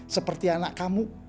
seperti anak kamu